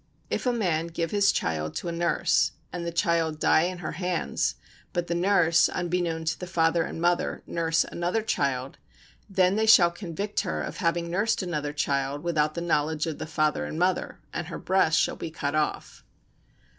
If a man give his child to a nurse and the child die in her hands, but the nurse unbeknown to the father and mother nurse another child, then they shall convict her of having nursed another child without the knowledge of the father and mother and her breasts shall be cut off.